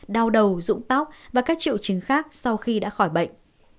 đau đầu dụng tóc và các triệu chứng khác sau khi đã khỏi bệnh